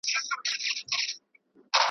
ويل كشكي ته پيدا نه واى له موره .